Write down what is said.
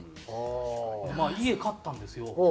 家買ったんですよ。